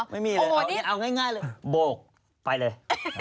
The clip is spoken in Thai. ไม่มีเลยเอาง่ายเลยโบกไปเลย